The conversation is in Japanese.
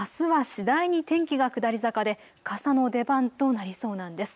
あすは次第に天気が下り坂で傘の出番となりそうなんです。